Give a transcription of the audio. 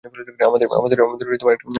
আমাদের একটা নীতি আছে।